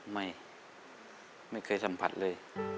ไม่เคยสัมผัสเลย